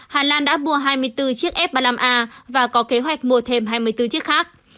hà lan đã mua hai mươi bốn chiếc f ba mươi năm a và có kế hoạch mua thêm hai mươi bốn chiếc khác